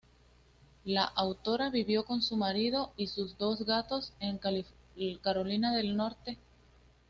La autora vivió con su marido y sus dos gatos en Carolina del norte.